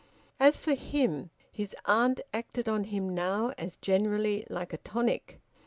As for him, his aunt acted on him now, as generally, like a tonic.